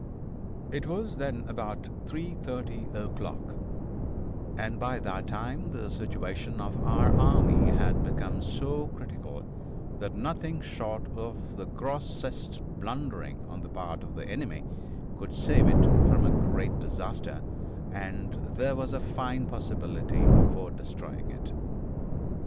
It was then about 3:30 o'clock, and by that time the situation of our army had become so critical that nothing short of the grossest blundering on the part of the enemy could save it from a great disaster, and there was a fine possibility for destroying it.